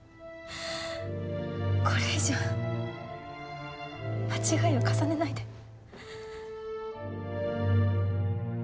これ以上間違いを重ねないで。